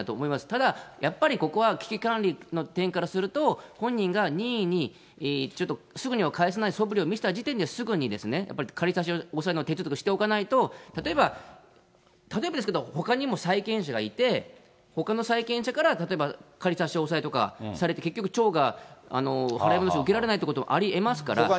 ただ、やっぱりここは危機管理の点からすると、本人が任意にちょっとすぐには返せないそぶりを見せた時点ですぐに、やっぱり仮差し押さえの手続きをしておかないと、例えば、例えばですけど、ほかにも債権者がいて、ほかの債権者から、例えば仮差し押さえとかされて、結局町が払い戻しを受けられないということもありえますから。